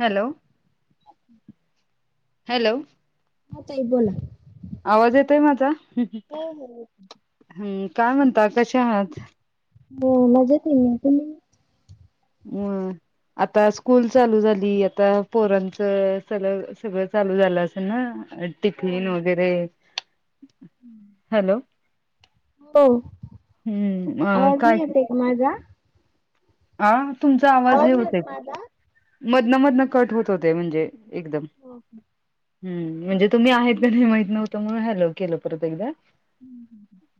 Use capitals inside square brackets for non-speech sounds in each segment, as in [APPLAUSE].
Hello. अच्छ. Hello. ह तई बोला आवाज येतय माझा. हो हो. हम् काय म्हणताात कशा आहात. हो मजेत ये तुम्ही? हम्. आता स्कूल चालू झाली आता पोरांचं सळ सगळं चालू झालं असे ना. टिफिन वगैरे हॅलो हो हम्म आवाज काय नाही येत का माझा ह तुमचा आवाज हे नाही होत येत माझा? मधन मधनं कट होत होते म्हणजे एकदम हम्म म्हणजे तुम्ही आहेत का नाही माहित नव्हत हॅलो केल परत एकदा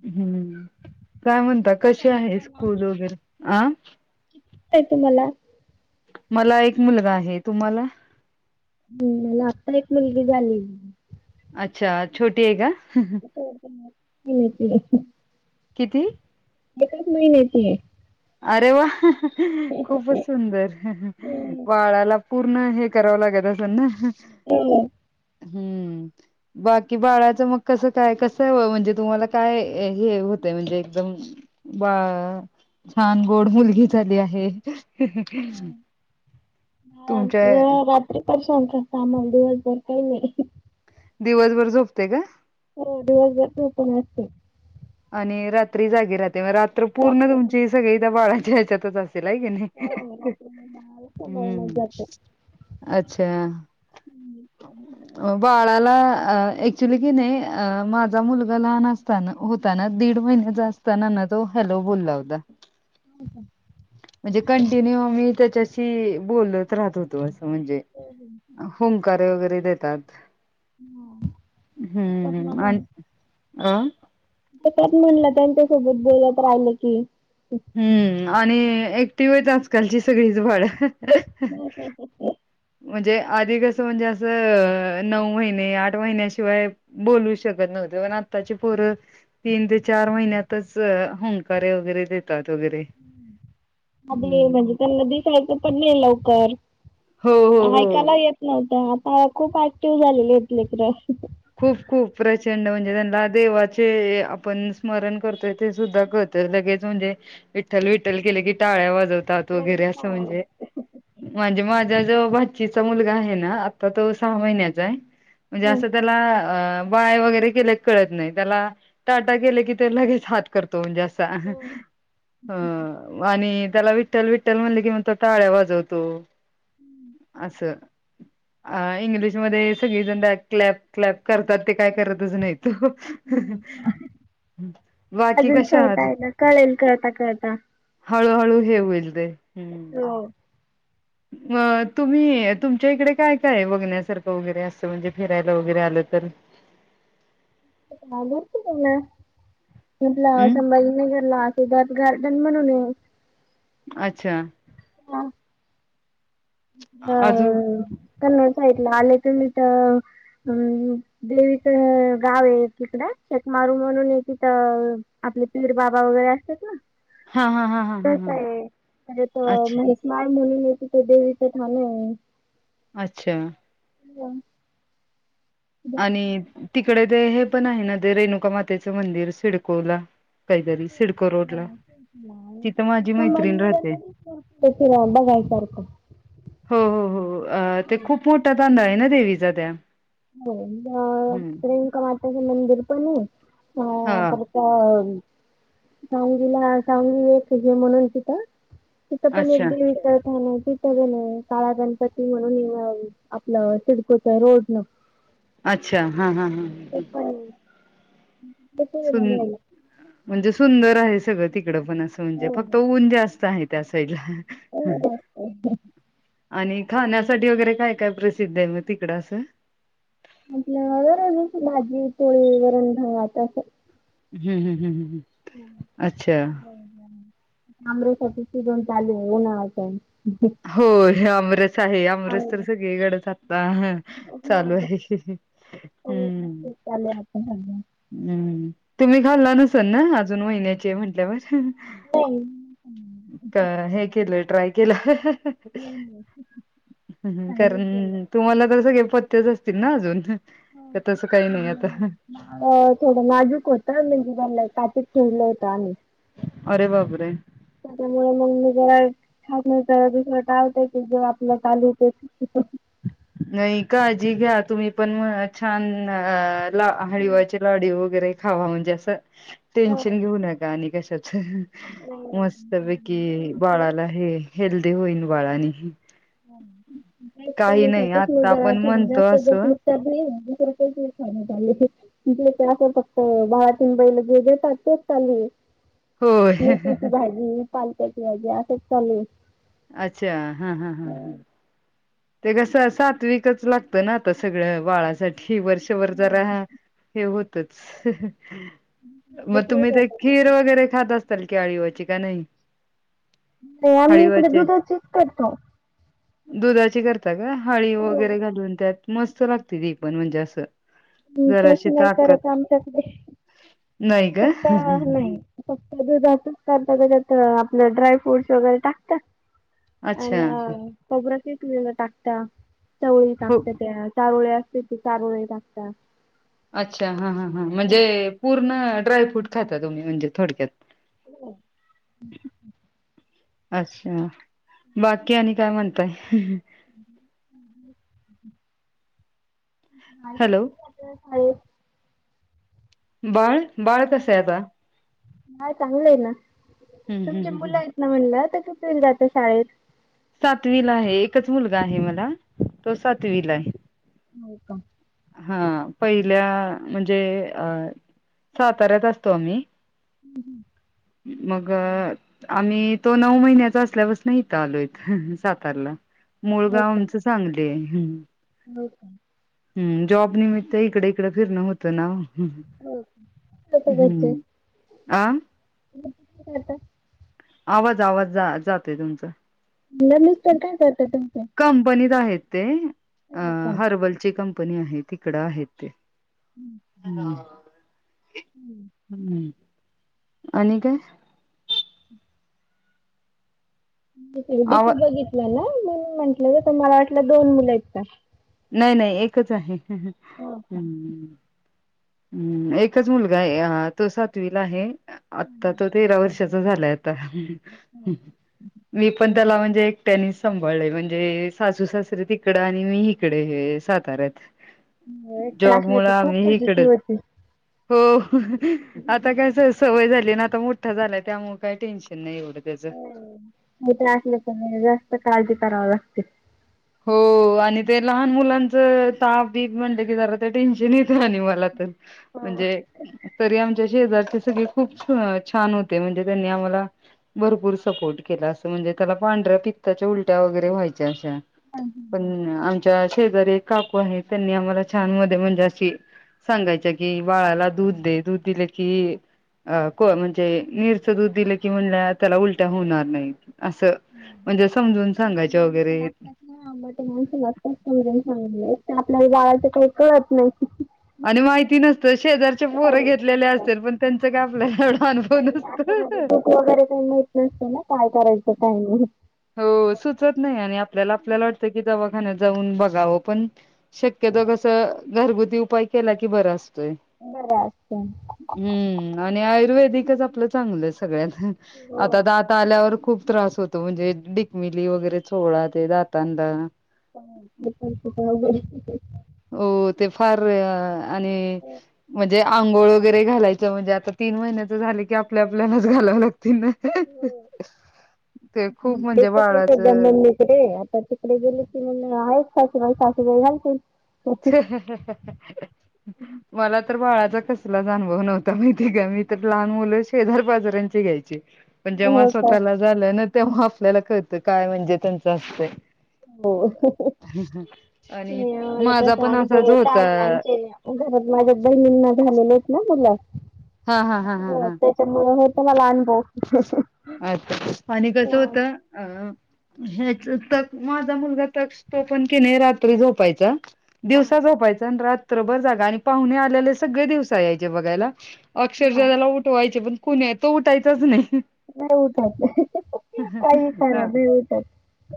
काय म्हण आता कशी काय आहे तुम्हाला? स्कूल वगैरे ह तुम्हाला मला एक मुलगा आहे तुम्हाला हम् मला आत्ता एक मुलगी झाली अच्छा छोटी आहे का? तोड ह ति किती? एकच महिन्याची आहे. अरे वा खूपच आहे. सुंदर वाळाला. पूर्ण हे करावं लागत असल ना. हो हो. हम्म. बाकी बाळाच मग कसं काय कस म्हणजे तुम्हाला काय हे होतंय म्हणजे एकदम बा छान गोड मुलगी झाली आहे. तुमच्या? प शांत सामल दिवसभर काहीले दिवसभर झोपते का? हो दिवसभर ओपन असते. आणि रात्री जागी राहते मग रात्र पूर्ण रात्री तुमची सगळी त्या बाळाच्या ह्याच्यातच असेल आहे की हो नाही. रात्री मी बाळाला सांभाळण्यात हम्म जाते. अच्छा. हम्म. ह. बाळाला ऍक्च्युली कि नाही माझा मुलगा लहान असताना ता ना दीड महिन्याचा असतना ना तो हॅलो बोलला होता. हो का? म्हणजे कंटिन्यू मी त्याच्याशी बोलत राहत होतो असं म्हणजे हो हो. होुंकारे वगैरे देतात हो. येतात हम्म आणि आं. कात म्हणलं त्यांच्यासोबत बोलत राहिलं की हम्म आणि ऍक्टिव्ह आहेतच आजकालची सगळीच भाडं. हम हम ह. म्हणजे आधी कसं म्हणजे असं नऊ महिने आठ महिन्याशिवाय बोलू शकत नव्हते पण आत्ताची पोरं. तीन ते चार महिन्यातच हुंकारे वगैरे देतात वगैरे अ हं. म्हणजे त्यांना दिसायचं पण नाही लवकर. हो हो. ऐकायला हो. येत नव्हतं आता खूप ऍक्टिव्ह झालेले आहेत ले तर्र खूप खूप प्रचंड म्हणजे त्यांना देवाचे आपण स्मरण करतोय ते सुद्धा क तर लगेच म्हणजे विठ्ठल विठ्ठल केले की टाळ्या वाजवतात वगैरे असं म्हणजे म्हणजे माझा जो भाचचीचा मुलगा आहे ना आता तो सहा महिन्याचा आहे म्हणजे हो असं त्याला अ बाय वगैरे केले कळत नाही त्याला टाटा केले की ते लगेच हात करतो म्ह जास्त आणि त्याला वि विठ्ठल विठ्ठल म्हणज कि ताळ्या वाजवतो असं अ इंग्लिशमध्ये सगळीजण क्लॅप क्लॅप करतात ते काय करतच नाहीत त अजून छोटा आहे ना कळेल कळता कळता हळूहळू हे होईल ते हम् हो. अ तुम्ही तुमच्या इकडे काय काय बघण्यासारखं वगैरे असतं म्हणजे फिरायला वगैरे आलं तर ह घरच ना आपलं हम्म संभाजीनगरला बात गार्डन म्हणून आहे अच्छा ह हा अजून त्यां साईतलं आले त मी तर हम् देवीच गाव आहे तिकड कमारू म्हणून आहे तिथं आपले पीर बाबा वगैरे असतात ना हा हा हा हा हा तस हा आहे अच्छा म्ह माय म्हणून येत तर देवीचं ठाण अच्छा हो आणि तिकडे ते हे पण आहे ना ते रेणुका मातेचं मंदिर सिडकोला काहीतरी सिडको रोडला तिथं माझी मैत्रीण मड राहते. तशी रा बघायसारखं हो हो हो ते खूप मोठा तांदा आहे ना देवीचा त्या हो हं. प्रियंका मातेचं मंदिर पण आहे अ हां. तर सांगीला सांगी एक हे म्हणून तिथं तिथं पण अच्छा, एक विचारतना त सग काळा गणपती म्हणून आपलं सिडकोच रोड न अच्छा हा हा हा ते पण ते पण बघायला. म्हणजे सुंदर आहे सगळं तिकड पण असं म्हणजे हो फक्त ऊन जास्त आहे त्या त्या सईला हो आणि खाण्यासाठी वगैरे काय काय प्रसिद्ध आहे मग तिकडं असं आपल्या वर भाजी पोळी वरण वातं हम् हम ह् ह ह तमरेसाठी शिडून चालू होऊ नाता हो अमरेस आहे अमरस तर आमरस सगळीकडचातता हो चालू आहे हम्म चाले आपण हज हम्म तुम्ही खाल्ला नसाल ना अजून महिन्याचे म्हंटल्यावर नाही नाही का हे केलं ट्राय केलं. नाही ह् चायनीज केलं. कारण तुम्हाला तर सगळे पत््यच असतील ना अजून का तसं काही नाही आता हो थोडं नाजूक होतं म्हणजे काात ठेडलं होतं आम्ही अरे बाप रे. त्याच्यामुळे मग मी जर. छाानस टावत की जो आपलं चालूते. नाही काळजी घ्या तुम्ही पण छान ला नाही हळवाचे. लाड वगैरे खावा म्हणजे असं टेन्शन घेऊ नका आणि कशाच. नाही मस्त तुमची ब कि नाही बााला हे हेल्दी होईन बाळा नाही. काहीच आता आपण म्हणतो असं मुलगा जास्त. [UNINTELLIGIBLE] [INAUDIBLE] होय मेथीची भाजी पालक्याची भाजी असच चालू आहे. अच्छा हा हा हा हा. हो ते कसं सात विकच लागतं ना आता सगळं बाळासाठी. वर्षभर ज रा ह हे होतच मग तुम्ही ते खीर वगैरे खात असताल की अळीवाची का नाही आम्ही इकडे हळीवाचे दुधाचीच करतो दुधाची करता का हळी वगैरे घालून त्यात मस्त लागते ती पण म्हणजे असं हम् जराशी तशी नाही ताकद करत आमच्याकडे नाही का फकता नाही फक्त दुध असता त्याच्यात आपलं ड्राय फ्रूट्स वगैरे टाकतात. अच्छा आणि पबरा तुमही टाकता चवळी हो टाकत त्या. चारुळे असते त चारुळे टाकतात अच्छा हा हां हां म्हणजे. पूर्ण डायफ्रूट खाता तुम्ही म्हणजे थोडक्यात. हो अच्छा बाकी आणि काय म्हणताय. हॅलो शाळेत बाळ बाळ कसं आहे आता? हय चांगलं आहे ना हम्म तुमच्या हम्म मुलं हम्म आहेत ना म्हणलं तर कसल जात शाळेत? सातवीला आहे एकच मुलगा आहे मला तो सातवीला आहे. हा पहिल्या म्हणजे अ साताऱ्यात असतो आम्ही. हम. मग आम्ही तो नऊ महिन्याचा असल्यापासन इथं आलोय. सातारला हो मुळगाव का आमचं सांगली आहे. हो का. हम् जॉब निमित्त इकडे इकडे फिरणं होत. त ना हो का काय घरचे हम्म आ. करता आवाज आवाज जाते तुमच म्हणलं मिस्टर काय करता तुमचे कंपनीत आहेत. ते अ हो का हर्बलची कंपनी आहे तिकड आहेत ते. हम्म हम्म आणि काय. डीपी आवा बघितलं ना म्हणून म्हटलं ज मला वाटलं दोन मुलं आहेत. नाही नाही एकच आहे. हो का हम्म एकच मुलगा आहे तो सातवीला आहे आता तो तेरा वर्ष. त्याच झालं आहे आता. मी पण त्याला म्हणजे एक टेनिस सांभाळलेय म्हणजे सासू सासरे तिकडं आणि मी इकडे हे साताऱ्यात एकट्या जॉब असले मुळ तर खूप आम्ही फजिती इकडेच होती. हो आता कयस सवय झाली ना आता मोठा झालाय त्यामु काही टेन्शन नाही एवढं त्याचं त्र असल्या तर जास्त काळज करावा लागते हो आणि ते लहान मुलांच ताप बीप म्हणलं की जरा ते टेन्शन येत रा म तर हो. म्हणजे तरी आमच्या शेजारचे सगळे खूप छान होते म्हणजे त्यांनी आम्हाला भरपूर सपोर्ट केला असं म्हणजे त्याला पांढऱ्या पित्ताच्या उलट्या वगैरे व्हायच्या अशा ह पण आमच्या शेजारी एक काकू आहे त्यांनी आम्हाला छान मध्ये म्हणजे अशी सांगायच्या कि बाळाला दूध दे दूध दिले की अ को म्हणजे नीरचं दूध दिलं की म्हणल्या त्याला उलट्या होणार नाही असं म्हणजे समजून सांगायच्या वगैरे ां मग ते माणसं मत समजून सांगले आपल्याला गावाचं काही कळत नाही आणि माहिती नसतं शेजार पोर काहीच घेतलेले नसतं. असतील पण त्यांच काय आपल्याला एवढा अनुभव नाही नसत असं म्हणजे दूध वगैरे काही माहित नसते ना काय करायचं काायमिंग. हो सुचत नाही आणि आपल्याला आपल्याला वाटतं की दवाखान्यात जाऊन बघावं पण. शक्यतो कस घरगुती उपाय केला की बरा असतोय. बरं असते. हम्म आणि आयुर्वेदिकच आपलं चांगलं आहे सगळ्यात आता हो दात आल्यावर खूप. त्रास होतो म्हणजे डिकमिली वगैरे सोळा ते दातांना. [UNINTELLIGIBLE] हो ते फार आणि म्हणजे आंघोळ वगैरे घालायचं म्हणजे आता तीन महिन्याच झाले की आपल्या आपल्यालाच घालावं लागतील ना ते खूप म्हणजे बाळाचं रे आता तिकडे गेले की आहे का मा वेल मला तर बाळाचा कसलाच अनुभव नव्हता माहितीय का मी तर लहान मुलं शेजार बाजारांचे घ्यायचे पण जेव्हा हो का स्वतःला झालं ना तेव्हा आपल्याला कळतं काय म्हणजे त्यांचं असत हो. आणि नाही आम्हाला माझा तसा पण अनुभव असा जो होत आहे होता आमचे घरात माझ्या बहिणींना झालेले आहेत ना तुला हा हा हा हा हे तर मला अनुभव अच आणि कसं हा होतं अ ह्याच त माझा मुलगा तक तो पण के नाही रात्री झोपायचा हा दिवसा झोपायचा रात्रभर जागा आणि पाहुणे आलेले सगळे दिवसा यायचे बघायला अक्षरशः हा त्याला उठवायचे पण कुणी तो उठायचच नाही नाही उठत काही करा नाही उठत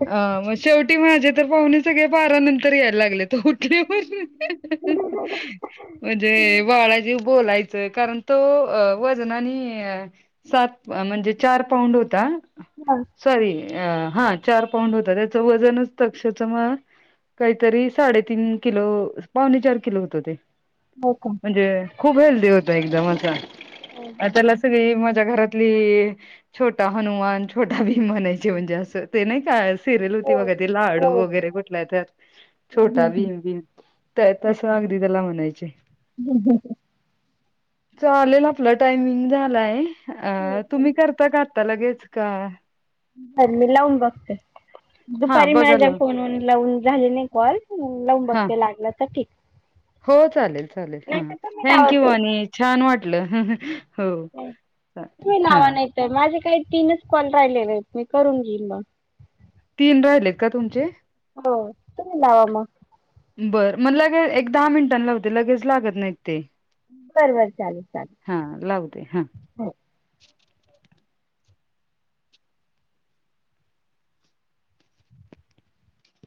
अ मग शेवटी माझे तर पाहुणे सगळे बारा नंतर यायला लागले त ते म्हणजे बाळाची बोलायचं कारण तो वजनाने सात म्हणजे चार पाऊंड होता हा सॉरी अ हा चार पाऊंड होता त्याचं वजनच तक्षच मग काहीतरी साडेतीीन किलो पावणे चार किलो होत ते होकम हो हो [UNINTELLIGIBLE] ली छोटा हनुमान छोटा भी म्हणायचे म्हणजे असं ते नाही काय सिरियल होती हो. बघा ती लाडू हो वगैरे कुठला तर छोटा हम्म, भीम भीम तस अगदी त्याला म्हणायचे ह ह चालेल आपलं टायमिंग झालाय हो तुम्ही चालेल. करता करता लगेच का ह मी लावून बघते. हा दुपारी बघाल मझ्या फोनन लावून झाली नाही. कॉल लावून हा बघते लागलं तर ठीक हो चालेल चालेल नाही हा तर तुम्ही लावा थँंक्यू ताई. आणि छान वाटलं हो तुम्ही हा लावा नाही तर माझे काही तीनच कॉल राहिलेले आहेत. मी करून घेईन मग तीन राहिलेत का तुमचे? तुम्ही लावा मग बरं मग लगेच एक दहा मिनिटां ला होते लगेच लागत. नाही ते बर बर चालेल चालेल हा लावते हा हो